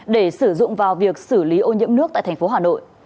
để sử dụng vào việc xử lý ô nhiễm nước tại tp hà nội